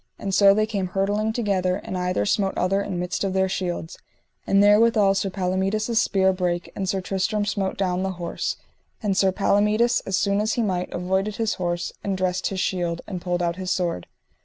And so they came hurtling together, and either smote other in midst of their shields; and therewithal Sir Palomides' spear brake, and Sir Tristram smote down the horse; and Sir Palomides, as soon as he might, avoided his horse, and dressed his shield, and pulled out his sword.